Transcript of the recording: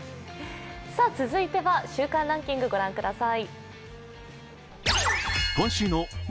続いては、週間ランキング御覧下さい。